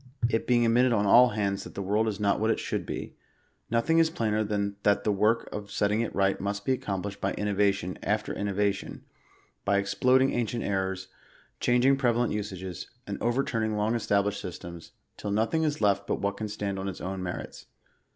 It being admitted on all hands that the world is not what it should be, nothing is plainer than that the work of setting it right must be accomplished by innovation after inno vation; by exploding ancient errors, changing prevalent usages, and overturning long established systems, till nothing is left^but 119 what can stand on its own merits.